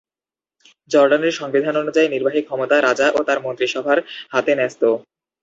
জর্দানের সংবিধান অনুযায়ী নির্বাহী ক্ষমতা রাজা ও তার মন্ত্রিসভার হাতে ন্যস্ত।